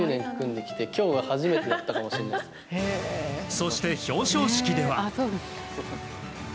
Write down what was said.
そして、表彰式では。